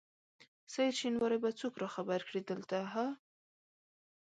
سعید شېنواری به څوک راخبر کړي دلته ها؟